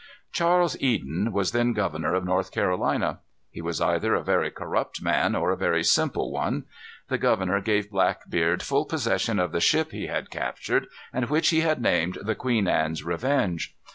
Charles Eden was then governor of North Carolina. He was either a very corrupt man or a very simple one. The governor gave Blackbeard full possession of the ship he had captured, and which he had named the Queen Anne's Revenge.